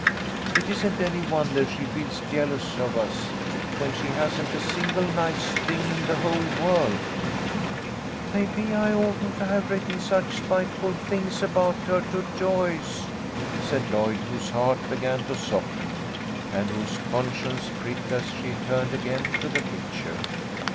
It isn't any wonder she feels jeal ous of us, when she hasn't a single nice thing in the whole world" " Maybe I oughtn't to have written such spiteful things about her to Joyce," said Lloyd, whose heart began to soften and whose conscience pricked as she turned again to the picture.